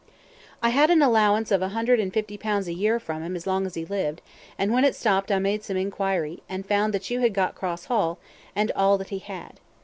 "I had an allowance of a hundred and fifty pounds a year from him as long as he lived, and when it stopped I made some inquiry, and found that you had got Cross Hall and all that he had.